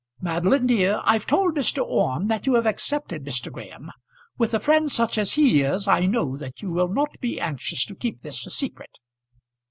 "Madeline, dear, I've told Mr. Orme that you have accepted Mr. Graham. With a friend such as he is I know that you will not be anxious to keep this a secret."